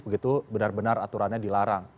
begitu benar benar aturannya dilarang